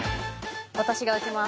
私が打ちます。